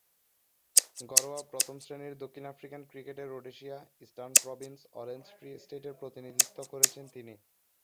ঘরোয়া প্রথম-শ্রেণীর দক্ষিণ আফ্রিকান ক্রিকেটে Rhodesia, Eastern Province, Orange Free স্টেটের প্রতিনিধিত্ব করেছেন তিনি।